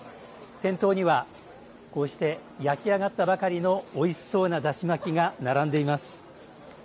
店頭にはこうして焼き上がったばかりのおいしそうなだし巻きが並んでいます。